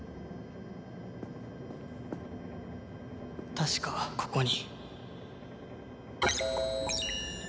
確かここに。